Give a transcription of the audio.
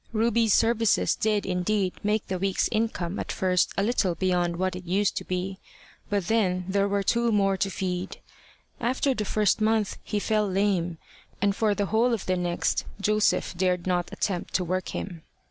Ruby's services did indeed make the week's income at first a little beyond what it used to be, but then there were two more to feed. After the first month he fell lame, and for the whole of the next Joseph dared not attempt to work him.